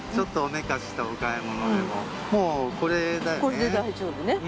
これで大丈夫ね。